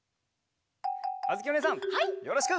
あづきおねえさんよろしく！